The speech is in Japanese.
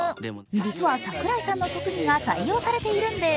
実は櫻井さんの特技が採用されているんです。